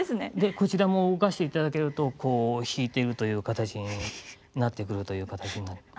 こちらも動かしていただけるとこう弾いてるという形になってくるという形になります。